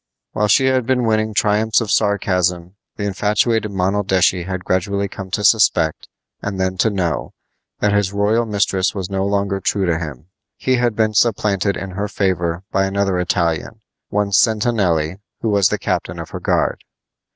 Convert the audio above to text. While she had been winning triumphs of sarcasm the infatuated Monaldeschi had gradually come to suspect, and then to know, that his royal mistress was no longer true to him. He had been supplanted in her favor by another Italian, one Sentanelli, who was the captain of her guard.